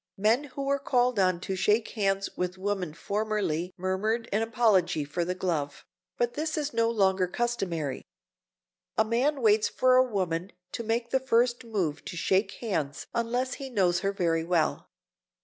Men who were called on to shake hands with women formerly murmured an apology for the glove, but this is no longer customary. A man waits for a woman to make the first move to shake hands unless he knows her very well.